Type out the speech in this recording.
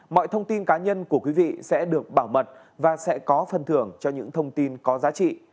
mọi thông tin cá nhân của quý vị sẽ được bảo mật và sẽ có phần thưởng cho những thông tin có giá trị